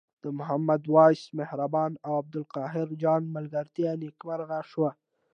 د محمد وېس مهربان او عبدالقاهر جان ملګرتیا نیکمرغه شوه.